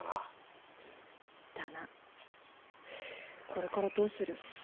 これからどうする？